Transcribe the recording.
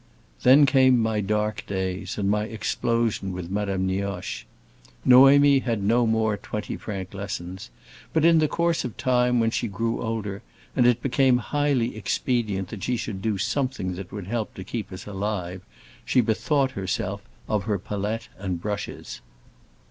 Then came my dark days, and my explosion with Madame Nioche. Noémie had no more twenty franc lessons; but in the course of time, when she grew older, and it became highly expedient that she should do something that would help to keep us alive, she bethought herself of her palette and brushes.